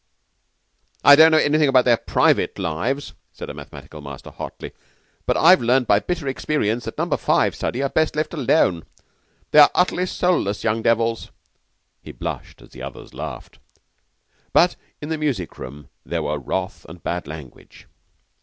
'" "I don't know anything about their private lives," said a mathematical master hotly, "but I've learned by bitter experience that Number Five study are best left alone. They are utterly soulless young devils." He blushed as the others laughed. But in the music room there were wrath and bad language.